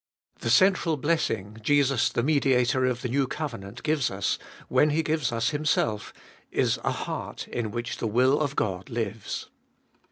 The central blessing, Jesus, the Mediator of the new covenant, gives us, when He gives us Himself, is a heart in which the will of God lives.